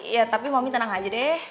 ya tapi momi tenang aja deh